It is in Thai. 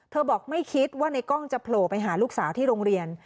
บอกไม่คิดว่าในกล้องจะโผล่ไปหาลูกสาวที่โรงเรียน